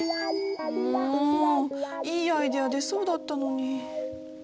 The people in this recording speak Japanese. もういいアイデア出そうだったのに。